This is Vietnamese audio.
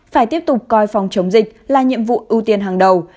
phải tiếp tục coi phòng chống dịch là nhiệm vụ ưu tiên hàng đầu